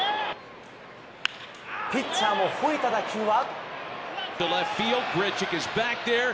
ピッチャーもほえた打球は。